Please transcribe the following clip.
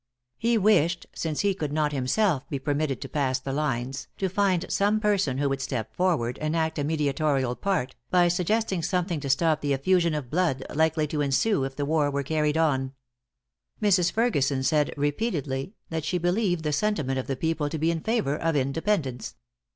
He wished, since he could not himself be permitted to pass the lines, to find some person who would step forward and act a mediatorial part, by suggesting something to stop the effusion of blood likely to ensue if the war were carried on. Mrs. Ferguson said repeatedly, that she believed the sentiment of the people to be in favor of Independence.